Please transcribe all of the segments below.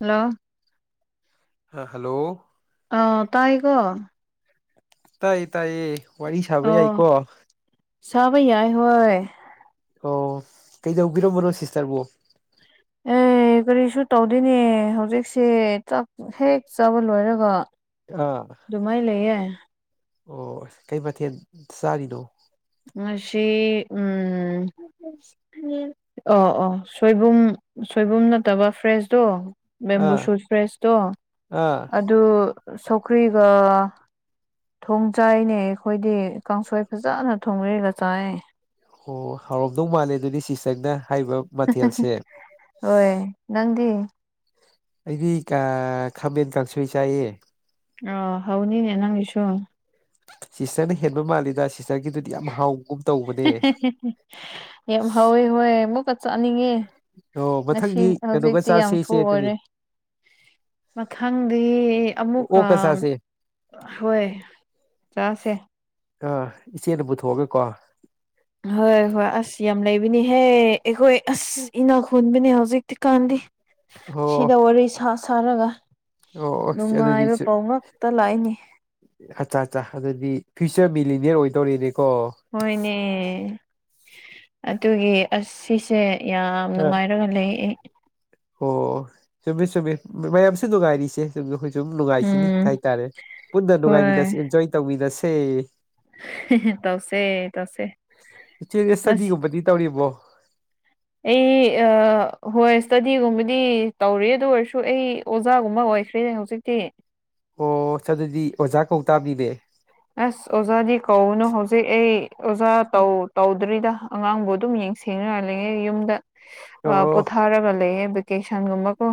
hello ꯑ hello ꯑꯥ ꯇꯥꯏꯌꯦꯀꯣ ꯇꯥꯏꯌꯦ ꯇꯥꯏꯌꯦ ꯋꯥꯔꯤ ꯁꯥꯕ ꯑꯣ ꯌꯥꯏꯀꯣ ꯁꯥꯕ ꯌꯥꯏ ꯍꯣꯏ ꯑꯣ ꯀꯩꯗꯧꯕꯤꯔꯝꯕꯅꯣ ꯁꯤꯁꯇꯔꯕꯣ ꯑꯦ ꯑꯦ ꯀꯔꯤꯁꯨ ꯇꯧꯗꯦꯅꯦ ꯍꯧꯖꯤꯛꯁꯦ ꯆꯥꯛ ꯍꯦꯛ ꯆꯥꯕ ꯂꯣꯏꯔꯒ ꯑꯥ ꯑꯗꯨꯃꯥꯏ ꯂꯩꯌꯦ ꯑꯣ ꯀꯩ ꯃꯊꯦꯜ ꯆꯥꯔꯤꯅꯣ ꯉꯁꯤ ꯎꯝ ꯑꯣ ꯑꯣ ꯁꯣꯏꯕꯨꯝ ꯁꯣꯏꯕꯨꯝ ꯅꯠꯇꯕ ꯐ꯭ꯔꯦꯁꯇꯣ ꯑꯥ ꯕꯦꯝꯕꯨꯁꯨꯠ ꯐ꯭ꯔꯦꯁꯇꯣ ꯑꯥ ꯑꯗꯨ ꯁꯧꯀ꯭ꯔꯤꯒ ꯊꯣꯡ ꯆꯥꯏꯅꯦ ꯑꯩꯈꯣꯏꯗꯤ ꯀꯥꯡꯁꯣꯏ ꯐꯖꯅ ꯊꯣꯡꯒꯔꯦꯒ ꯆꯥꯢꯌꯦ ꯑꯣ ꯍꯥꯎꯔꯝꯗꯧ ꯃꯥꯜꯂꯦ ꯑꯗꯨꯗꯤ ꯁꯤꯁꯇꯔꯅ ꯍꯥꯏꯔꯤꯕ ꯃꯊꯦꯜꯁꯦ ꯍꯣꯏ ꯅꯪꯗꯤ ꯑꯩꯗꯤ ꯀ ꯈꯥꯃꯦꯟ ꯀꯥꯡꯁꯣꯢ ꯆꯥꯏꯌꯦ ꯑꯣ ꯍꯥꯎꯅꯤꯅꯦ ꯅꯪꯒꯤ ꯁꯨ ꯁꯤꯁꯇꯔꯅ ꯍꯦꯟꯕ ꯃꯥꯜꯂꯤꯗ ꯁꯤꯁ ꯍꯦ-ꯍꯦ-ꯍꯦ-ꯍꯦ ꯌꯥꯝ ꯍꯥꯎꯋꯦ ꯍꯣꯏ ꯑꯃꯨꯛꯀ ꯆꯥꯅꯤꯡꯉꯦ ꯑꯣ ꯉꯁꯤ ꯃꯊꯪꯗꯤ ꯀꯩꯅꯣꯒ ꯍꯧꯖꯤꯛꯇꯤ ꯆꯥꯁꯦ ꯌꯥꯝꯐꯨ ꯏꯆꯦ ꯑꯗꯨꯗꯤ ꯑꯣꯏꯔꯦ ꯃꯊꯪꯗꯤ ꯑꯃꯨꯛꯀ ꯑꯣꯛꯀ ꯆꯥꯁꯦ ꯍꯣꯏ ꯇꯥꯁꯦ ꯑꯥ ꯏꯆꯦꯅ ꯄꯨꯊꯣꯛꯑꯒꯀꯣ ꯍꯣꯏ ꯍꯣꯏ ꯑꯁ ꯌꯥꯝ ꯂꯩꯕꯅꯤꯍꯦ ꯑꯩꯈꯣꯏ ꯑꯁ ꯏꯅꯥ ꯈꯨꯟꯕꯅꯦ ꯍꯧ ꯍꯧꯖꯤꯛꯇꯤꯀꯥꯟꯗꯤ ꯑꯣ ꯁꯤꯗ ꯋꯥꯔꯤ ꯁꯥ ꯁꯥꯔꯒ ꯑꯣ ꯑꯗꯨꯗꯤ ꯅꯨꯡꯉꯥꯏꯕ ꯆꯤꯠ ꯄꯥꯎ ꯉꯛꯇ ꯂꯥꯛꯏꯅꯦ ꯑꯆꯥ ꯆꯥ ꯑꯗꯨꯗꯤ ꯐꯤꯁ ꯆꯞ ꯕꯦꯂꯤꯅꯤꯂꯤꯅꯤꯌꯔ ꯑꯣꯏꯗꯣꯔꯦꯅꯦ ꯍꯣꯏꯅꯦ ꯑꯗꯨꯒꯤ ꯑꯁ ꯁꯤꯁꯦ ꯌꯥꯝ ꯑ ꯅꯨꯡꯉꯥꯏꯔꯒ ꯂꯩ ꯑꯦ ꯑꯣ ꯆꯨꯝꯃꯤ ꯆꯨꯝꯃꯤ ꯃꯌꯥꯝꯁꯨ ꯅꯨꯡꯉꯥꯏꯔꯤ ꯁꯨꯝ ꯅꯨꯡꯉꯥꯏꯈꯤꯅꯤ ꯎꯝ ꯍꯥꯏꯇꯥꯔꯦ ꯄꯨꯟꯅ ꯍꯣꯏ ꯅꯨꯡꯉꯥꯏꯃꯤꯟꯅꯁꯦ ꯑꯦꯟꯖꯣꯏ ꯇꯧꯃꯤꯟꯅꯁꯦ ꯇꯧꯁꯦ ꯇꯧꯁꯦ ꯏꯆꯦ ꯌꯦ ꯑꯁ ꯁ꯭ꯇꯔꯗꯤꯒꯨꯝꯕꯗꯤ ꯇꯧꯔꯤꯕꯣ ꯑꯩ ꯑ ꯍꯣꯏ ꯏꯁꯇꯗꯤꯣꯒꯨꯝꯕꯗꯤ ꯇꯧꯔꯤ ꯑꯗꯨ ꯑꯣꯏꯔꯁꯨ ꯑꯩ ꯑꯣꯖꯥꯒꯨꯝꯕ ꯑꯣꯏ ꯑꯣꯏꯈ꯭ꯔꯦꯅꯦ ꯍꯧꯖꯤꯛꯇꯤ ꯑꯣ ꯑꯗꯨꯗꯤ ꯑꯣꯖꯥ ꯀꯧ ꯇꯥꯝꯅꯤꯅꯦ ꯑꯁ ꯑꯣꯖꯥꯗꯤ ꯀꯧꯅꯨ ꯍꯧꯖꯤꯛ ꯑꯩ ꯑꯣꯖꯥ ꯇꯧ ꯇꯧꯗ꯭ꯔꯤꯗ ꯑꯉꯥꯡꯕꯨ ꯑꯗꯨꯝ ꯌꯦꯡ ꯁꯦꯡꯅꯔ ꯂꯩꯌꯦ ꯌꯨꯝꯗ ꯑꯣ ꯄꯣꯊꯥꯔꯒ ꯂꯩꯌꯦ ꯀꯦꯁꯟꯒꯨꯝꯕ ꯀꯣ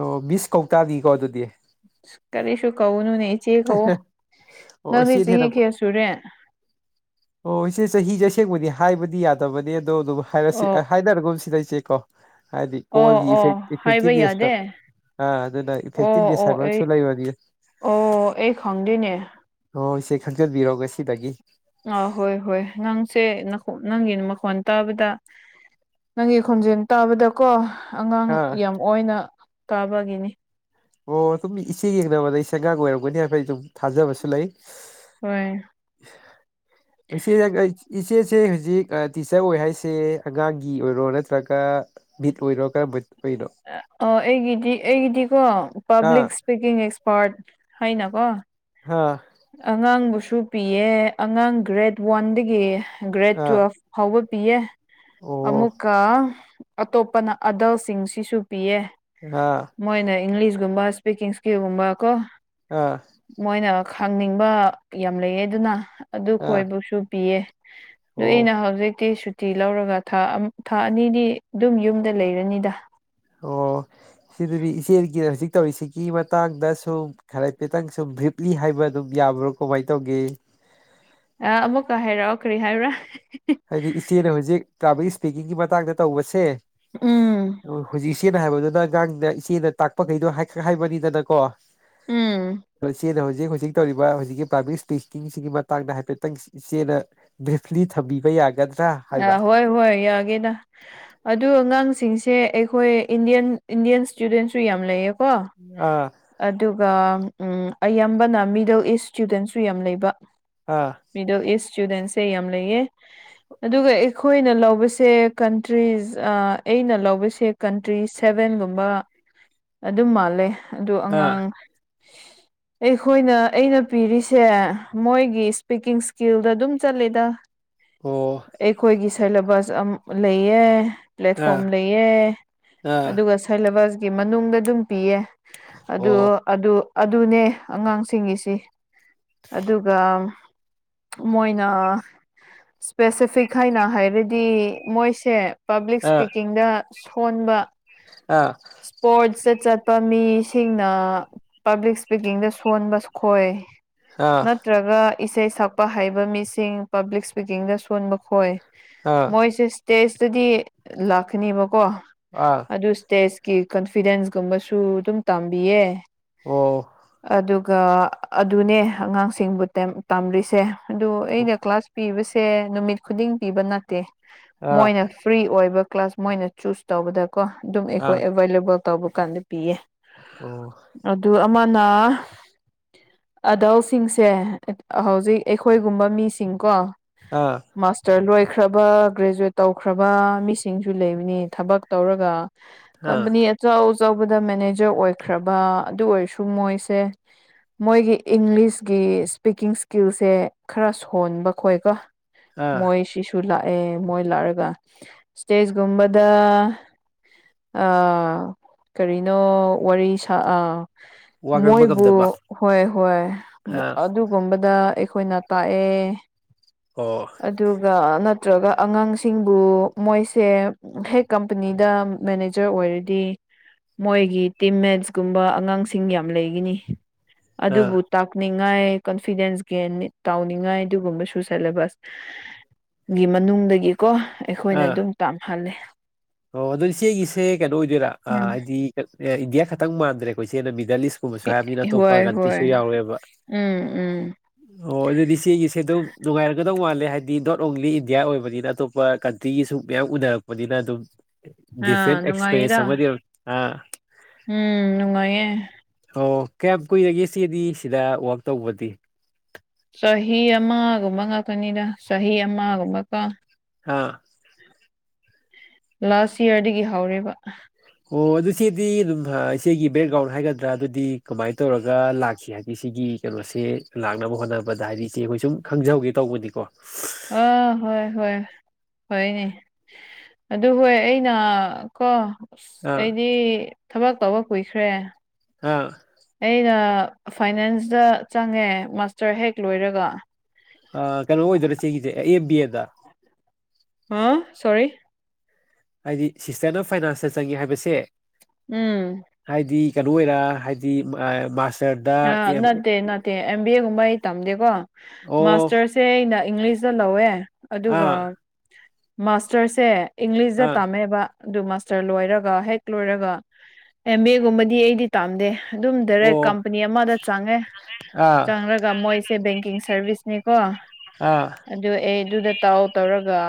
ꯑꯣ ꯕꯤ ꯁ ꯀꯧꯇꯥꯗꯤꯀꯣ ꯑꯗꯨꯗꯤ ꯑꯁ, ꯀꯔꯤꯁꯨ ꯀꯧꯅꯨꯅꯦ ꯏꯆꯦ ꯀꯧꯨ ꯑꯣ ꯅꯪꯗꯤ ꯏꯆꯦꯅ ꯆꯍꯤ ꯍꯦꯟꯅ ꯀ꯭ꯌꯥ ꯁꯨꯔꯦ ꯑꯣ ꯏꯆꯦ ꯆꯍꯤꯖꯦ ꯑꯁꯦꯡꯕꯗꯤ ꯍꯥꯏꯕ ꯗꯤ ꯌꯥꯗꯕꯅꯦ ꯑꯗꯣ ꯑꯗꯨꯝ ꯍꯥꯏꯔꯁꯤ ꯑꯣ ꯍꯥꯏꯅꯔꯒꯨꯝ ꯁꯤꯗ ꯏꯆꯦ ꯀꯣ ꯍꯥꯏꯗꯤ ꯑꯣ ꯀꯣꯜꯒꯤ ꯑꯣ ꯏꯐꯦꯛ ꯍꯥꯏꯕ ꯏꯐꯦꯛꯇꯤꯞ ꯔꯦꯁꯇ ꯌꯥꯗꯦ ꯑꯥ ꯑꯗꯨꯅ ꯏꯐꯦꯛꯇꯤꯞ ꯑꯣ ꯅꯦꯁ ꯑꯣ ꯍꯥꯏꯕꯝꯁꯨ ꯑꯩ ꯂꯩꯕꯅꯤꯅ ꯑꯣ ꯑꯩ ꯈꯪꯗꯦꯅꯦ ꯑꯣ ꯏꯆꯦ ꯈꯪꯖꯟꯕꯤꯔꯣ ꯉꯁꯤꯗꯒꯤ ꯁꯦ ꯅꯈꯣꯅꯪꯒꯤ ꯃꯈꯣꯟ ꯇꯥꯕꯗ ꯅꯪꯒꯤ ꯈꯣꯟꯖꯦꯜ ꯇꯥꯕꯗꯀꯣ ꯑꯉꯥꯡ ꯑꯥ ꯌꯥꯝ ꯑꯣꯢꯅ ꯇꯥꯕꯒꯤꯅꯤ ꯑꯣ ꯑꯗꯨꯝ ꯏꯆꯦ ꯌꯦꯡꯅꯕꯗ ꯑꯩꯁꯦ ꯑꯉꯥꯡ ꯑꯣꯏꯔꯝꯒꯅꯤ ꯍꯥꯏꯕ ꯑꯩ ꯑꯗꯨꯝ ꯊꯥꯖꯕꯁꯨ ꯂꯩ ꯍꯣꯏ ꯏꯆꯦ ꯅꯪ ꯑꯩ ꯏꯆꯦꯁꯦ ꯍꯧꯖꯤꯛ ꯇꯤꯆꯔ ꯑꯣꯏ ꯍꯥꯏꯁꯦ ꯑꯉꯥꯡꯒꯤ ꯑꯣꯏꯔꯣ ꯅꯠꯇ꯭ꯔꯒ ꯃꯤꯠ ꯑꯣꯏꯔꯣ ꯀꯔꯝꯕ ꯑꯣꯏꯅꯣ ꯑꯣ ꯑꯩꯒꯤꯗꯤ ꯑꯩꯒꯤꯗꯤꯀꯣ ꯑꯥ ꯄꯕ꯭ꯂꯤꯛ ꯏꯁ꯭ꯄꯤꯀꯤꯡ ꯄꯥꯔꯠ ꯍꯥꯏꯅ ꯀꯣ ꯑꯥ ꯑꯉꯥꯡꯕꯨꯁꯨ ꯄꯤꯌꯦ ꯑꯉꯥꯡ ꯒ꯭ꯔꯦꯠ ꯋꯥꯟꯗꯒꯤ ꯒ꯭ꯔꯦꯠ ꯑꯥ ꯇꯨꯋꯦꯞ ꯐꯥꯎꯕ ꯄꯤꯌꯦ ꯑꯣ ꯑꯃꯨꯛꯀ ꯑꯇꯣꯞꯄꯅ ꯑꯗꯜꯁꯤꯡꯁꯤꯁꯨ ꯄꯤꯌꯦ ꯑꯥ ꯃꯣꯏꯅ ꯏꯪꯂꯤꯁ ꯒꯨꯝꯕ ꯁ꯭ꯄꯤꯀꯤꯡ ꯁ꯭ꯀꯤꯜꯁꯒꯨꯝꯕ ꯀꯣ ꯑꯥ ꯃꯣꯏꯅ ꯈꯪꯅꯤꯡꯕ ꯌꯥꯝ ꯂꯩꯌꯦ ꯑꯗꯨꯅ ꯑꯗꯨ ꯑꯥ ꯈꯣꯏꯕꯨꯁꯨ ꯄꯤꯌꯦ ꯑꯗꯨ ꯑꯣ ꯑꯩꯅ ꯍꯧꯖꯤꯛꯇꯤ ꯁꯨ ꯇꯤ ꯂꯧꯔꯒ ꯊꯥ ꯊꯥ ꯑꯅꯤꯗꯤ ꯑꯗꯨꯝ ꯌꯨꯝꯗ ꯂꯩꯔꯅꯤꯗ ꯑꯣ ꯁꯤꯗꯗꯤ ꯏꯆꯦꯜꯒꯤ ꯍꯧꯖꯤꯛ ꯇꯧꯔꯤꯁꯤꯒꯤ ꯃꯇꯥꯡꯗ ꯁꯨꯝ ꯈꯔ ꯍꯥꯏꯐꯦꯠꯇꯪ ꯁꯨꯝ ꯕ꯭ꯔꯤꯞꯂꯤ ꯍꯥꯏꯕ ꯑꯗꯨꯝ ꯌꯥꯕ꯭ꯔꯣ ꯀꯝꯃꯥꯏ ꯇꯧꯒꯦ [inaudible] ꯑꯥ ꯑꯃꯨꯛꯀ ꯍꯥꯏꯔꯛꯑꯣ ꯀꯔꯤ ꯍꯥꯏꯕ꯭ꯔ ꯍꯥꯏꯗꯤ ꯏꯆꯦꯅ ꯍꯧꯖꯤꯛ [unintelligible] ꯏꯁꯄꯤꯀꯤꯡꯒꯤ ꯃꯇꯥꯡꯗ ꯇꯧꯕꯁꯦ ꯎꯝ ꯍꯨꯖꯤꯛ ꯏꯆꯦꯅ ꯍꯥꯏꯕꯗꯣ [unintelligible] ꯑꯉꯥꯡꯗ ꯏꯆꯦꯅ ꯇꯥꯛꯄꯒꯩꯗꯣ ꯍꯥꯏꯈ꯭ꯔꯦ ꯍꯥꯏꯕꯅꯤꯗꯅꯀꯣ ꯎꯝ [unintelligible] ꯏꯆꯦꯅ ꯍꯧꯖꯤꯛ ꯍꯧꯖꯤꯛ ꯍꯧꯖꯤꯛ ꯇꯧꯔꯤꯕ ꯍꯧꯖꯤꯛꯀꯤ ꯄꯥꯕ꯭ꯂꯤꯛ ꯏꯁꯄꯤꯀꯤꯡꯁꯤꯒꯤ ꯃꯇꯥꯡꯗ ꯍꯥꯏꯐꯦꯠꯇꯪ ꯏꯆꯦꯅ ꯕ꯭ꯔꯤꯞꯂꯤ ꯊꯝꯕꯤ ꯕ ꯌꯥꯒ ꯑ ꯍꯣꯏ ꯍꯣꯏ ꯌꯥꯒꯦꯗ ꯑꯗꯨ ꯑꯉꯥꯡꯁꯤꯡ ꯁꯦ ꯑꯩꯈꯣꯏ ꯏꯟꯗꯤꯌꯟ ꯏꯟꯗꯤꯌꯟ ꯏꯁꯇꯨꯗꯦꯟꯁꯨ ꯌꯥꯝ ꯂꯩꯌꯦ ꯀꯣ ꯑꯥ ꯑꯗꯨꯒ ꯎꯝ ꯑꯌꯥꯝꯕꯅ ꯃꯤꯗꯜ ꯏꯁ ꯏꯁꯇꯨꯗꯦꯟꯁꯨ ꯌꯥꯝ ꯂꯩꯕ ꯑꯥ ꯃꯤꯗꯜ ꯏꯁ ꯏꯁꯇꯨꯗꯦꯟꯁꯦ ꯌꯥꯝ ꯂꯩꯌꯦ ꯑꯗꯨꯒ ꯑꯩꯈꯣꯏꯅ ꯂꯧꯕꯁꯦ ꯀꯟꯇ꯭ꯔꯤꯁ ꯑ ꯑꯩꯅ ꯂꯧꯕꯁꯦ ꯀꯟꯇ꯭ꯔꯤꯁ ꯁꯦꯕꯦꯟ ꯒꯨꯝꯕ ꯑꯗꯨꯝ ꯃꯥꯜꯂꯦ ꯑꯗꯨ ꯑꯥ ꯑꯉꯥꯡ [inaudible] ꯑꯩꯈꯣꯏꯅ ꯑꯩꯅ ꯄꯤꯔꯤꯁꯦ ꯃꯣꯏꯒꯤ ꯏꯁꯄꯤꯀꯤꯡ ꯏꯁꯀꯤꯜꯗ ꯑꯗꯨꯝ ꯆꯠꯂꯤꯗ ꯑꯣ ꯑꯩꯈꯣꯏꯒꯤ ꯁꯦꯂꯦꯕꯁ ꯑꯝ ꯂꯩꯌꯦ ꯑꯥ ꯄ꯭ꯂꯦꯠꯐꯣꯝ ꯂꯩꯌꯦ ꯑꯥ ꯑꯗꯨꯒ ꯁꯦꯂꯦꯕꯁꯀꯤ ꯃꯅꯨꯡꯗ ꯑꯗꯨꯝ ꯄꯤꯌꯦ ꯑꯗꯨ ꯑꯣ ꯑꯗꯨ ꯑꯗꯨꯅꯦ ꯑꯉꯥꯡꯁꯤꯡꯒꯤꯁꯤ ꯑꯗꯨꯒ ꯃꯣꯏꯅ ꯄꯦꯁꯤꯐꯤꯛ ꯍꯥꯏꯅ ꯍꯥꯏꯔꯗꯤ ꯃꯣꯏꯁꯦ ꯄꯥꯕ꯭ꯂꯤꯛꯁ ꯑꯥ ꯏꯁꯄꯤꯀꯤꯡꯗ ꯁꯣꯟꯕ ꯑꯥ ꯏꯁꯄꯣꯔꯠꯁ ꯆꯠ ꯆꯠꯄ ꯃꯤ ꯁꯤꯡꯅ ꯄꯥꯕ꯭ꯂꯤꯛ ꯏꯁꯄꯤꯀꯤꯡꯗ ꯁꯣꯟꯕ ꯈꯣꯏ ꯑꯥ ꯅꯠꯇ꯭ꯔꯒ ꯏꯁꯩ ꯁꯛꯄ ꯍꯩꯕ ꯃꯤꯁꯤꯡ ꯄꯥꯕ꯭ꯂꯤꯛ ꯏꯁꯄꯤꯀꯤꯡꯗ ꯁꯣꯟꯕ ꯈꯣꯏ ꯑꯥ ꯃꯣꯏꯁꯦ ꯏꯁꯇꯦꯖꯇꯗꯤ ꯂꯥꯛꯀꯅꯦꯕꯀꯣ ꯑꯥ ꯑꯗꯨ ꯏꯁꯇꯦꯖ ꯀꯤ ꯀꯟꯐꯤꯗꯦꯟꯁꯀꯨꯝꯕꯁꯨ ꯑꯗꯨꯝ ꯇꯝꯕꯤꯌꯦ ꯑꯣ ꯑꯗꯨ ꯒꯥ ꯑꯗꯨꯅꯦ ꯑꯉꯥꯡꯁꯤꯡꯕꯨ ꯇꯦꯝ ꯇꯝꯂꯤꯁꯦ ꯑꯗꯨ ꯑꯩꯅ ꯀ꯭ꯂꯥꯁ ꯄꯤꯕ ꯁꯦ ꯅꯨꯃꯤꯠ ꯈꯨꯗꯤꯡ ꯄꯤꯕ ꯅꯠꯇꯦ ꯑꯥ ꯃꯣꯏꯅ ꯐ꯭ꯔꯤ ꯑꯣꯏꯕ ꯀ꯭ꯂꯥꯁ ꯃꯣꯏꯅ ꯆꯨꯁ ꯇꯧꯕꯗ ꯀꯣ ꯑꯗꯨꯝ ꯑꯥ ꯑꯩꯈꯣꯏ ꯑꯦꯕꯥꯏꯂꯦꯕꯜ ꯇꯧꯕ ꯀꯥꯟꯗ ꯄꯤꯌꯦ ꯑꯣ ꯑꯗꯨ ꯑꯃ ꯅ ꯑꯗꯜꯁꯤꯡꯁꯦ ꯍꯧꯖꯤꯛ ꯑꯩꯈꯣꯏꯒꯨꯝꯕ ꯃꯤꯁꯤꯡꯀꯣ ꯑꯥ ꯃꯥꯁꯇꯔ ꯂꯣꯏꯈ꯭ꯔꯕ ꯒ꯭ꯔꯦꯖ꯭ꯋꯦꯠ ꯇꯧꯈ꯭ꯔꯕ ꯃꯤꯁꯤꯡꯁꯨ ꯂꯩꯕꯅꯤ ꯊꯕꯛ ꯇꯧꯔꯒ ꯑꯥ ꯀꯝꯄꯅꯤ ꯑꯆꯧ ꯑꯆꯧꯕꯗ ꯃꯦꯅꯦꯖꯔ ꯑꯣꯏꯈ꯭ꯔꯕ ꯑꯗꯨ ꯑꯣꯏꯔꯁꯨ ꯃꯣꯏꯁꯦ ꯃꯣꯏꯒꯤ ꯏꯪꯂꯤꯁꯒꯤ ꯏꯁꯄꯤꯀꯤꯡ ꯁꯀꯤꯜꯁꯦ ꯈꯔ ꯁꯣꯟꯕ ꯈꯣꯏꯀꯣ ꯑꯥ ꯃꯣꯏꯁꯤꯁꯨ ꯂꯥꯏ ꯑꯦ ꯃꯣꯏ ꯂꯥꯛꯑꯒ ꯏꯁꯇꯦꯖꯀꯨꯝꯕꯗ ꯑ ꯀꯔꯤꯅꯣ ꯋꯥꯔꯤ ꯁꯥ ꯑꯥ ꯋꯥ ꯉꯥꯡꯕ ꯃꯣꯏꯕꯨ ꯉꯝꯗꯕ ꯍꯣꯏ ꯍꯣꯏ ꯑꯥ ꯑꯗꯨꯒꯨꯝꯕꯗ ꯑꯩꯈꯣꯏꯅ ꯇꯥꯛꯑꯦ ꯑꯣ ꯑꯗꯨꯒ ꯅꯠ ꯅꯠꯇ꯭ꯔꯒ ꯑꯉꯥꯡꯁꯤꯡꯕꯨ ꯃꯣꯏꯁꯦ ꯍꯦꯛ ꯀꯝꯄꯅꯤꯗ ꯃꯦꯅꯦꯖꯔ ꯑꯣꯏꯔꯗꯤ ꯃꯣꯏꯒꯤ ꯇꯤꯝ ꯃꯦꯠꯁꯀꯨꯝꯕ ꯑꯉꯥꯡꯁꯤꯡ ꯌꯥꯝ ꯂꯩꯒꯅꯤ ꯑꯥ ꯑꯗꯨꯕꯨ ꯇꯥꯛꯅꯤꯡꯉꯥꯏ ꯀꯟꯐꯤꯗꯦꯟꯁꯒꯤ ꯅꯤꯠ ꯇꯧꯅꯤꯡꯉꯥꯏ ꯑꯗꯨꯒꯨꯝꯕꯁꯨ ꯁꯦꯂꯦꯕꯁ ꯒꯤ ꯃꯅꯨꯡꯗꯒꯤꯀꯣ ꯑꯩꯈꯣꯏꯅ ꯑꯥ ꯑꯗꯨꯝ ꯇꯝꯍꯜꯂꯦ ꯑꯣ ꯑꯗꯣ ꯏꯆꯦꯒꯤꯁꯦ ꯀꯩꯅꯣ ꯑꯣꯏꯗꯣꯏꯔꯥ ꯎꯝ ꯍꯥꯏꯗꯤ ꯏꯟꯗꯤꯌꯥ ꯈꯛꯇꯪ ꯃꯥꯟꯗ꯭ꯔꯦꯀꯣ ꯏꯆꯦꯅ ꯃꯤ ꯗꯦꯂꯤꯁ ꯀꯨꯝꯕꯁꯨ ꯍꯥꯏꯕꯅꯤꯅ ꯑꯇꯣꯞꯄ ꯍꯣꯏ ꯀꯟꯇ꯭ꯔꯤꯁꯨ ꯍꯣꯏ ꯌꯥꯎꯔꯦꯕ ꯎꯝ ꯎꯝ ꯑꯣ ꯑꯗꯨꯗꯤ ꯏꯆꯦꯒꯤꯁꯦ ꯑꯗꯨꯝ ꯅꯨꯡꯉꯥꯏꯔꯝꯒꯗꯧ ꯃꯥꯜꯂꯦ ꯍꯥꯏꯗꯤ ꯅꯣꯠ ꯑꯣꯡꯂꯤ ꯏꯟꯗꯤꯌꯥ ꯑꯣꯏꯕꯅꯤꯅ ꯑꯇꯣꯞꯄ ꯀꯟꯇ꯭ꯔꯤꯒꯤꯁꯨ ꯃꯌꯥꯝ ꯎꯅꯔꯛꯄꯅꯤꯅ ꯑꯗꯨꯝ ꯑꯥ ꯗꯤꯐꯔꯦꯟ ꯑꯦꯛꯁꯄꯦꯔꯤꯌꯦꯟꯁ ꯅꯨꯡꯉꯥꯏꯌꯦꯗ ꯑꯃꯗꯤ ꯑꯣꯢꯔꯝꯅꯤ ꯎꯝ ꯅꯨꯡꯉꯥꯏꯌꯦ ꯑꯣ ꯀꯌꯥꯝ ꯀꯨꯏꯔꯒꯦ ꯏꯆꯦꯗꯤ ꯁꯤꯗ ꯋꯥꯛ ꯇꯧꯕꯗꯤ ꯆꯍꯤ ꯑꯃꯒꯨꯝꯕ ꯉꯥꯛꯇꯅꯤꯗ ꯆꯍꯤ ꯑꯃꯒꯨꯝꯕꯀꯣ ꯍꯥꯥ ꯂꯥꯁ ꯏꯌꯥꯔꯗꯒꯤ ꯍꯧꯔꯦꯕ ꯑꯣ ꯑꯗꯨ ꯏꯆꯦꯗꯤ ꯑꯗꯨꯝ ꯏꯆꯦꯒꯤ ꯕꯦꯛꯒ꯭ꯔꯥꯎꯟ ꯍꯥꯏꯒꯗ꯭ꯔꯥ ꯑꯗꯨꯗꯤ ꯀꯃꯥꯏꯅ ꯇꯧꯔꯒ ꯂꯥꯛꯈꯤ ꯍꯥꯏꯗꯤ ꯁꯤꯒꯤ ꯀꯩꯅꯣꯁꯦ ꯂꯥꯛꯅꯕ ꯍꯣꯠꯅꯕꯗ ꯍꯥꯏꯗꯤ ꯏꯆꯦ ꯑꯈꯣꯏ ꯁꯨꯝ ꯈꯪꯖꯍꯧꯒꯦ ꯇꯧꯕꯅꯤꯀꯣ ꯑꯥ ꯍꯣꯏ ꯍꯣꯏ ꯍꯣꯏꯅꯦ ꯑꯗꯨ ꯍꯣꯏ ꯑꯩꯅ ꯀꯣ ꯑꯁ ꯑꯥ ꯑꯩꯗꯤ ꯊꯕꯛ ꯇꯧꯕ ꯀꯨꯏꯈ꯭ꯔꯦ ꯑꯥ ꯑꯩꯅ ꯐꯥꯏꯅꯥꯟꯁꯇ ꯆꯪꯉꯦ ꯃꯥꯁꯇꯔ ꯍꯦꯛ ꯂꯣꯏꯔꯒ ꯑ ꯀꯩꯅꯣ ꯑꯣꯏꯗꯣꯏꯔ ꯏꯆꯦꯁꯤꯒꯤꯁꯦ ꯑꯦ ꯕꯤ ꯑꯦꯗ ꯑꯥ ꯁꯣꯔꯤ ꯍꯥꯏꯗꯤ ꯁꯤꯁꯇꯔꯅ ꯐꯥꯏꯅꯥꯟꯁꯇ ꯆꯪꯉꯦ ꯍꯥꯏꯕꯁꯦ ꯎꯝ ꯍꯥꯏꯗꯤ ꯀꯩꯅꯣ ꯑꯣꯏꯔ ꯍꯥꯏꯗꯤ ꯃꯥꯁ ꯑ ꯅꯠꯇꯦ ꯅꯠꯇꯦ ꯕꯤ ꯑꯦ ꯒꯨꯝꯕ ꯑꯩ ꯇꯝꯗꯦꯀꯣ ꯑꯣ ꯃꯥꯁꯇꯔꯁꯦ ꯑꯩꯅ ꯏꯪꯂꯤꯁꯇ ꯂꯧꯋꯦ ꯑꯗꯨꯒ ꯑꯥ ꯃꯥꯁꯇꯔꯁꯦ ꯏꯪꯂꯤꯁꯇ ꯑꯥ ꯇꯝꯃꯦꯑꯕ ꯑꯗꯨ ꯃꯥꯁꯇꯔ ꯂꯣꯏꯔꯒ ꯍꯦꯛ ꯂꯣꯏꯔꯒ ꯑꯦꯝ ꯕꯤ ꯑꯦ ꯒꯨꯝꯕꯗꯤ ꯑꯩꯗꯤ ꯇꯥꯝꯗꯦ ꯑꯗꯨꯝ ꯗꯥꯏꯔꯦꯛ ꯑꯣ ꯀꯝꯄꯅꯤ ꯑꯃꯗ ꯆꯪꯉꯦ ꯑꯥ ꯆꯪꯉꯒ ꯃꯣꯏꯁꯦ ꯕꯦꯡꯀꯤꯡ ꯁꯔꯕꯤꯁꯅꯦꯀꯣ ꯑꯥ ꯑꯗꯨ ꯑꯩ ꯑꯗꯨꯗ ꯇꯥꯎ ꯇꯧꯔꯒ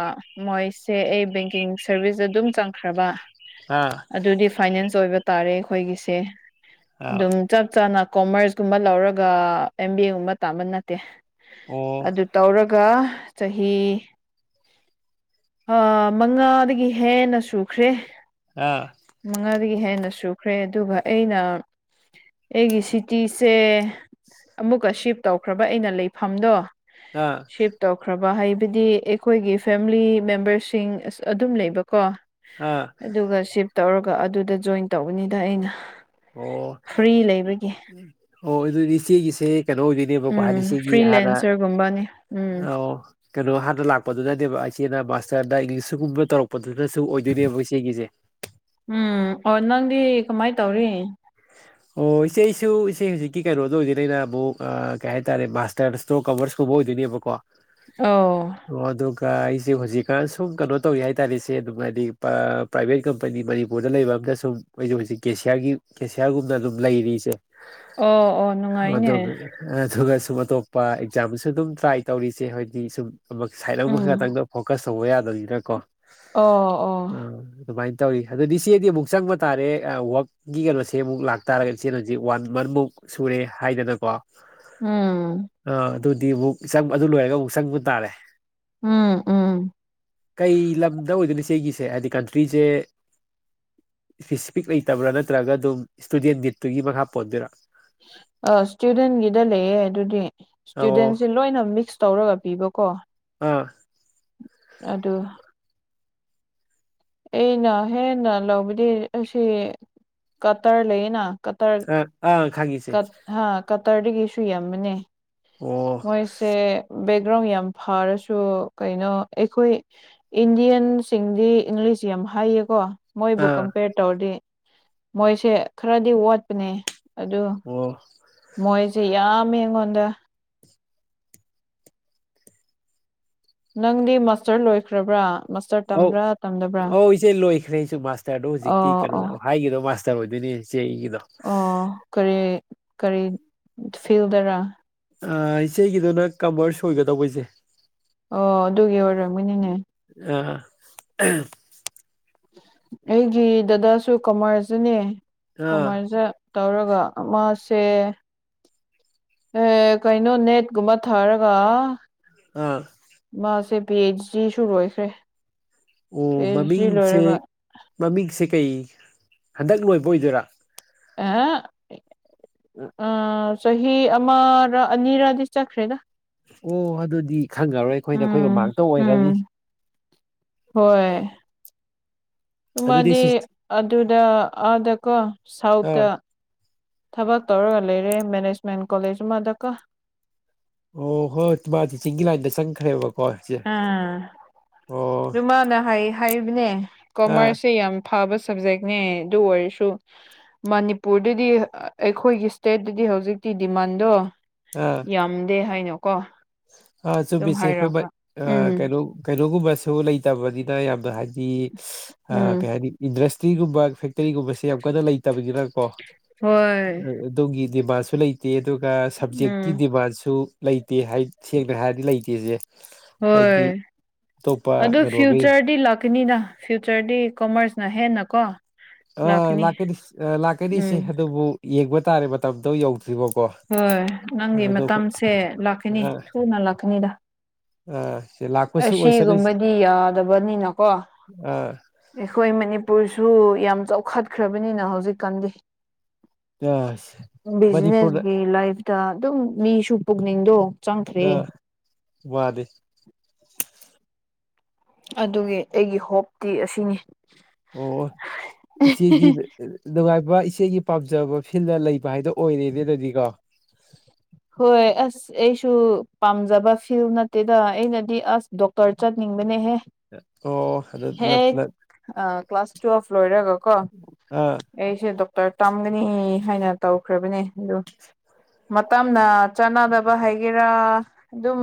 ꯃꯣꯏꯁꯦ ꯑꯩ ꯕꯦꯡꯀꯤꯡ ꯁꯔꯚꯤꯁꯇ ꯑꯗꯨꯝ ꯆꯪꯈ꯭ꯔꯕ ꯑꯥ ꯑꯗꯨꯗꯤ ꯐꯥꯏꯅꯦꯟꯁ ꯑꯣꯏꯕ ꯇꯥꯔꯦ ꯑꯈꯣꯏꯒꯤꯁꯦ ꯑꯥ ꯑꯗꯨꯝ ꯆꯞ ꯆꯥꯅ ꯀꯣꯃꯔꯁꯀꯨꯝꯕ ꯂꯧꯔꯒ ꯑꯦꯝ ꯕꯤ ꯑꯦ ꯒꯨꯝꯕ ꯇꯝꯕ ꯅꯠꯇꯦ ꯑꯣ ꯑꯗꯨ ꯇꯧꯔꯒ ꯆꯍꯤ ꯑꯥ ꯃꯉꯥꯗꯒꯤ ꯍꯦꯟꯅ ꯁꯨꯈ꯭ꯔꯦ ꯑꯥ ꯃꯉꯥꯗꯒꯤ ꯍꯦꯟꯅ ꯁꯨꯈ꯭ꯔꯦ ꯑꯗꯨꯒ ꯑꯩꯅ ꯑꯩꯒꯤ ꯁꯤ ꯇꯤꯁꯦ ꯑꯃꯨꯛꯀ ꯁꯤꯞ ꯇꯧꯈ꯭ꯔꯕ ꯑꯩꯅ ꯂꯩꯐꯝꯗꯣ ꯑꯥ ꯕꯥ ꯍꯥꯏꯕꯗꯤ ꯑꯩꯈꯣꯏꯒꯤ ꯐꯦꯃꯤꯂꯤ ꯃꯦꯝꯕꯔꯁꯤꯡ ꯑꯁ ꯑꯗꯨꯝ ꯂꯩꯕꯀꯣ ꯑꯥ ꯑꯗꯨꯒ ꯁꯤꯞ ꯇꯧꯔꯒ ꯑꯗꯨꯗ ꯖꯣꯏꯟ ꯇꯧꯕꯅꯤꯗ ꯑꯩꯅ ꯑꯣ ꯐ꯭ꯔꯤ ꯂꯩꯕꯒꯤ ꯑꯣ ꯑꯗꯨꯗꯤ ꯏꯆꯦꯒꯤꯁꯦ ꯀꯩꯅꯣ ꯑꯣꯏꯗꯣꯏꯅꯦꯕꯀꯣ ꯍꯥꯏꯗꯤ ꯎꯝ ꯏꯆꯦꯒꯤ ꯍꯥꯟꯅ ꯐ꯭ꯔꯤꯂꯦꯟꯁꯔꯒꯨꯝꯕꯅꯤ ꯎꯝ ꯑ ꯀꯩꯅꯣ ꯍꯥꯟꯅ ꯂꯥꯛꯄꯗꯨ ꯅꯦꯕ ꯑꯩꯁ ꯏꯆꯦꯅ ꯃꯥꯁꯇꯔꯅ ꯏꯪꯂꯤꯁꯒꯨꯝꯕ ꯇꯧꯔꯛꯄꯗꯨꯅꯁꯨ ꯑꯣꯏꯗꯣꯏꯅꯦꯕ ꯏꯆꯦꯒꯤꯁꯦ ꯗꯤ ꯀꯃꯥꯏ ꯇꯧꯔꯤ ꯑꯣ ꯏꯆꯦꯁꯨ ꯏꯆꯦ ꯍꯧꯖꯤꯛꯀꯤ ꯀꯩꯅꯣꯗ ꯑꯣꯏꯗꯅ ꯑꯩꯅ ꯑꯃꯨꯛ ꯀꯩ ꯍꯥꯏꯇꯥꯔꯦ ꯃꯥꯁꯇꯔꯁꯇꯣ ꯀꯃꯔꯁꯀꯨꯝ ꯍ ꯑꯣꯏꯗꯣꯏꯅꯦꯕꯀꯣ ꯑꯣ ꯑꯩꯁꯦ ꯍꯧꯖꯤꯛꯀꯥꯟ ꯁꯨꯝ ꯀꯩꯅꯣ ꯇꯧꯋ ꯍꯥꯏꯇꯥꯥꯔꯦ ꯁꯦ ꯑꯗꯨꯝ ꯍꯥꯏꯗꯤ ꯄ꯭ꯔꯥꯏꯚꯦꯠ ꯀꯝꯄꯅꯤ ꯃꯅꯤꯄꯨꯔꯗ ꯂꯩꯕ ꯑꯝ ꯗ ꯁꯨꯝ ꯑꯩꯛ ꯍꯧꯖꯤꯛ ꯦꯁꯤꯌꯥꯔꯒꯤ ꯒꯦꯁꯤꯌꯥꯔꯒꯨꯝꯅ ꯑꯗꯨꯝ ꯂꯩꯔꯤ ꯏꯆꯦ ꯑꯣ ꯑꯣ ꯅꯨꯡꯉꯥꯏꯅꯦ [unintelligible] ꯁꯨꯝ ꯑꯇꯣꯞꯄ ꯑꯦꯛꯖꯥꯝꯁꯨ ꯑꯗꯨꯝ ꯇ꯭ꯔꯥꯏ ꯇꯧꯔꯤꯁꯦ ꯍꯥꯏꯗꯤ ꯁꯨꯝ ꯁꯥꯏꯠ ꯑꯃꯈ ꯎꯝ ꯈꯛꯇꯪ ꯐꯣꯀꯁ ꯇꯧꯕ ꯌꯥꯗꯕꯅꯤꯅ ꯀꯣ ꯑꯣ ꯑꯣ ꯇꯧꯔꯤ ꯑꯗꯨꯗꯤ ꯏꯆꯦꯗꯤ ꯑꯃꯨꯛ ꯆꯪꯕ ꯇꯥꯔꯦ ꯋꯥꯛꯀꯤ ꯀꯩꯅꯣꯁꯦ ꯏꯆꯦꯃꯨꯛ ꯂꯥꯛꯇꯥꯔꯒ ꯏꯆꯦꯅ ꯍꯧꯖꯤꯛ ꯋꯥꯟ ꯃꯟꯃꯨꯛ ꯁꯨꯔꯦ ꯍꯥꯏꯗꯅꯀꯣ ꯎꯝ ꯑꯥ ꯑꯗꯨꯗꯤ ꯑꯃꯨꯛ ꯆꯪ ꯑꯗꯨ ꯂꯣꯏꯔꯒ ꯑꯃꯨꯛ ꯆꯪꯕ ꯇꯥꯔꯦ ꯎꯝ ꯎꯝ ꯀꯩ ꯂꯝꯗ ꯑꯣꯏꯗꯣꯏꯁꯤ ꯏꯆꯦꯒꯤꯁꯦ ꯍꯥꯏꯗꯤ ꯀꯟꯇ꯭ꯔꯤꯁꯦ ꯏꯁꯄꯦꯁꯤꯐꯤꯛ ꯂꯩꯇꯕ꯭ꯔꯥ ꯅꯠꯇ꯭ꯔꯒ ꯑꯗꯨꯝ ꯏꯁꯇꯨꯗꯦꯟ ꯒꯤꯠꯇꯨꯒꯤ ꯃꯈꯥ ꯄꯣꯟꯗꯣꯏꯔ ꯑ ꯏꯁꯇꯨꯗꯦꯟꯒꯤꯗ ꯂꯩꯌꯦ ꯑꯗꯨꯗꯤ ꯑꯣ ꯏꯁꯇꯨꯗꯦꯟꯁꯤ ꯂꯣꯏꯅ ꯃꯤꯛꯁ ꯇꯧꯔꯒ ꯄꯤꯕꯀꯣ ꯑꯥ ꯑꯗꯨ ꯑꯩꯅ ꯍꯦꯟꯅ ꯂꯧꯕꯗꯤ ꯑꯁꯤ ꯀꯇꯔ ꯂꯩꯌꯦꯅ ꯀꯇꯔ ꯑꯥ ꯑꯥ ꯈꯪꯉꯤ ꯏꯆꯦ ꯀꯇ ꯍꯥ ꯀꯇꯔꯗꯒꯤꯁꯨ ꯌꯥꯝꯕꯅꯦ ꯑꯣ ꯃꯣꯏꯁꯦ ꯕꯦꯛꯒ꯭ꯔꯥꯎꯟ ꯌꯥꯝ ꯐꯔꯁꯨ ꯀꯩꯅꯣ ꯑꯩꯈꯣꯏ ꯏꯟꯗꯤꯌꯥꯟꯁꯤꯡꯗꯤ ꯏꯪꯂꯤꯁ ꯌꯥꯝ ꯍꯥꯏꯌꯦꯀꯣ ꯃꯣꯏꯕꯨ ꯑꯥ ꯀꯝꯄꯦꯔ ꯇꯧꯔꯗꯤ ꯃꯣꯏꯁꯦ ꯈꯔꯗꯤ ꯋꯥꯠꯄꯅꯦ ꯑꯗꯨ ꯑꯣ ꯃꯣꯏꯁꯦ ꯌꯥꯝꯃꯦ ꯑꯩꯉꯣꯟꯗ ꯅꯪꯗꯤ ꯃꯁꯇꯔ ꯂꯣꯏꯈ꯭ꯔꯕ꯭ꯔꯥ ꯃꯥꯁꯇꯔ ꯑꯧ ꯇꯝꯕ꯭ꯔꯥ ꯇꯝꯗꯕ꯭ꯔꯥ ꯑꯧ ꯏꯆꯦ ꯂꯣꯏꯈ꯭ꯔꯦ ꯑꯩꯁꯨ ꯃꯥꯁꯇꯔꯗꯣ ꯍꯧꯖꯤꯛꯀꯤ ꯑꯣ ꯑꯣ ꯀꯩꯅꯣꯗ ꯍꯥꯏꯒꯗꯣ ꯃꯥꯁꯇꯔ ꯑꯣꯏꯗꯣꯏꯅꯤ ꯑꯣ ꯀꯔꯤ ꯀꯔꯤ ꯐꯤꯜꯗꯔ ꯑꯥ ꯏꯆꯦꯒꯤꯗꯨꯅ ꯀꯃꯔꯁ ꯑꯣꯏꯒꯗꯧꯕ ꯏꯆꯦ ꯑꯣ ꯑꯗꯨꯒꯤ ꯑꯣꯏꯔꯝꯃꯤꯅꯤꯅꯦ ꯍꯝ ꯑꯩꯒꯤ ꯗꯗꯥꯁꯨ ꯀꯃꯔꯁꯇꯅꯦ ꯑꯥ ꯀꯃꯔꯁꯁ ꯇꯧꯔꯒ ꯃꯥꯁꯦ ꯑꯦ ꯀꯩꯅꯣ ꯅꯦꯠꯀꯨꯝꯕ ꯊꯥꯔꯒ ꯑꯥ ꯃꯥꯁꯦ ꯄꯤ ꯑꯩꯆ ꯗꯤꯁꯨ ꯂꯣꯏꯈ꯭ꯔꯦ ꯑꯣ ꯄꯤ ꯑꯩꯆ ꯗꯤ ꯃꯃꯤꯁꯦ ꯂꯣꯏꯔꯒ ꯃꯃꯤꯁꯦ ꯍꯟꯗꯛ ꯂꯣꯏꯕ ꯑꯣꯏꯗꯣꯏꯔ [unintelligible] ꯑꯥ ꯆꯍꯤ ꯑꯃꯔ ꯑꯅꯤꯔ ꯗꯤ ꯆꯠꯈ꯭ꯔꯦꯗ ꯑꯣ ꯑꯗꯨꯗꯤ ꯈꯪꯉꯔꯣꯏ ꯑꯈꯣꯏꯅ ꯑꯈꯣꯏ ꯎꯝ ꯃꯃꯥꯛꯇ ꯑꯣꯏꯈꯔꯗꯤ ꯎꯝ ꯑꯃꯗꯤ ꯑꯗꯨꯗ ꯑꯥꯗꯀꯣ ꯁꯥꯎꯠꯇ ꯑꯥ ꯊꯕꯛ ꯇꯧꯔꯒ ꯂꯩꯔꯦ ꯃꯦꯅꯦꯖꯃꯦꯟ ꯀꯣꯂꯦꯖ ꯑꯃꯗꯀꯣ ꯑꯣ ꯍꯣꯏ ꯃꯥ ꯇꯤꯆꯤꯡꯒꯤ ꯂꯥꯏꯗ ꯁꯪꯈ꯭ꯔꯦꯕ ꯑꯥ ꯑꯗꯨ ꯃꯥꯅ ꯍꯥꯏ ꯍꯥꯏꯕꯅꯦ ꯑꯥ ꯀꯣꯃꯔꯁꯁꯦ ꯌꯥꯝ ꯐꯕ ꯁꯕꯖꯦꯛꯅꯦ ꯑꯗꯨ ꯑꯣꯏꯔꯁꯨ ꯃꯅꯤꯄꯨꯔꯗꯗꯤ ꯑꯩꯈꯣꯏꯒꯤ ꯏꯁꯇꯦꯠꯇꯗꯤ ꯍꯧꯖꯤꯛꯇꯤ ꯗꯤꯃꯥꯟꯗꯣ ꯌꯥꯝꯗꯦ ꯍꯥꯏꯅ ꯑ ꯆꯨꯝꯃꯤ ꯏꯆꯦ ꯑꯈꯣꯏ ꯎꯝ ꯀꯩꯅꯣ ꯀꯩꯅꯣꯒꯨꯝꯕꯁꯨ ꯂꯩꯇ ꯇꯕꯅꯤꯅ ꯌꯥꯝꯅ ꯍꯥꯏꯗꯤ ꯎꯝ ꯀꯩ ꯍꯥꯏꯅꯤ ꯏꯟꯗꯔ꯭ꯦꯁ ꯭ꯔꯤꯒꯨꯝꯕ ꯐꯦꯛꯇꯔꯤꯒꯨꯝꯕꯁꯦ ꯌꯥꯝ ꯀꯟꯅ ꯂꯩꯇꯕꯅꯤꯅꯀꯣ ꯍꯣꯏ ꯑꯗꯣꯝꯒꯤ ꯗꯤꯃꯥꯟꯁꯨ ꯂꯩꯇꯦ ꯑꯗꯨꯒ ꯁꯞꯖꯦꯛꯀꯤ ꯎꯝ ꯗꯤꯃꯥꯟꯁꯨ ꯂꯩꯇꯦ ꯁꯦꯡꯅ ꯍꯥꯏꯔꯗꯤ ꯂꯩꯇꯦꯁꯦ ꯍꯥꯏꯗꯤ ꯍꯣꯏ ꯑꯇꯣꯞꯄ ꯑꯗꯨ ꯀꯩꯅꯣꯒꯤ ꯐ꯭ꯌꯨꯆꯔꯗꯤ ꯂꯥꯛꯀꯅꯤꯅ ꯐ꯭ꯌꯨꯆꯔꯗꯤ ꯀꯣꯃꯔꯁꯅ ꯍꯦꯟꯅ ꯀꯣ ꯑ ꯂꯥꯛꯀꯅꯤ ꯂꯥꯛꯀꯅꯤ ꯏꯆꯦ ꯎꯝ ꯑꯗꯨꯕꯨ ꯌꯦꯡꯕ ꯇꯥꯔꯦ ꯃꯇꯝꯗꯣ ꯌꯧꯗ꯭ꯔꯤꯕꯥꯎ ꯍꯣꯏ ꯅꯪꯒꯤ ꯃꯇꯝꯁꯦ ꯂꯥꯛꯀꯅꯤ ꯑꯥ ꯊꯨꯅ ꯂꯥꯛꯀꯅꯤꯗ ꯑꯥ ꯁꯤ ꯂꯥꯛꯄꯁꯨ ꯑꯣꯏꯁꯅꯨꯁꯤ ꯑꯁꯤꯒꯨꯝꯕꯗꯤ ꯌꯥꯗꯕꯅꯤꯅꯀꯣ ꯑꯥ ꯑꯩꯈꯣꯏ ꯃꯅꯤꯄꯨꯔꯁꯨ ꯁꯨ ꯌꯥꯝ ꯆꯥꯎꯈꯠꯈ꯭ꯔꯕꯅꯤꯅ ꯍꯧꯖꯤꯛꯀꯥꯟꯗꯤ ꯑꯥ ꯃꯅꯤꯄꯨꯔꯗ ꯕꯤꯖꯤꯅꯦꯁ ꯂꯥꯏꯐꯇ ꯑꯗꯨꯝ ꯃꯤꯁꯨ ꯄꯨꯛꯅꯤꯡꯗꯣ ꯆꯪꯈ꯭ꯔꯦ [unintelligible] ꯑꯗꯨꯒꯤ ꯑꯩꯒꯤ ꯍꯣꯞꯇꯤ ꯑꯁꯤꯅꯤ ꯑꯣ ꯏꯆꯦꯗꯤ ꯅꯨꯡꯉꯥꯏ ꯏꯆꯦꯒꯤ ꯄꯥꯝꯖꯕ ꯐꯤꯜꯗ ꯂꯩꯕ ꯍꯥꯏꯗꯣ ꯑꯣꯏꯔꯦꯅꯦ ꯑꯗꯨꯗꯤꯀꯣ ꯍꯣꯏ ꯑꯁ ꯑꯩꯁꯨ ꯄꯥꯝꯖꯕ ꯐꯤꯜ ꯅꯠꯇꯦꯗ ꯑꯩꯅꯗꯤ ꯑꯁ ꯗꯣꯛꯇꯔ ꯆꯠꯅꯤꯡꯉ ꯕꯅꯦꯍꯦ ꯑꯣ ꯑꯗꯣ ꯑꯥ ꯀ꯭ꯂꯥꯁꯥꯁ ꯇꯨꯋꯦꯐ ꯂꯣꯏꯔꯒ ꯀꯣ ꯑꯥ ꯑꯩꯁꯦ ꯗꯣꯀꯇꯔ ꯇꯝꯒꯅꯤ ꯍꯥꯏꯅ ꯇꯧꯈ꯭ꯔꯕꯅꯦ ꯑꯗꯨ ꯇꯞꯅ ꯆꯟꯅꯗꯕ ꯍꯥꯏꯒꯦꯔꯥ ꯑꯗꯨꯝ